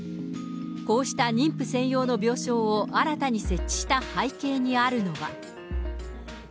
こうした妊婦専用の病床を新たに設置した背景にあるのは。